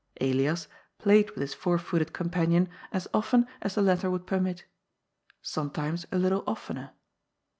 Elias played with his four footed companion as often as the latter would permit Sometimes a little of tener.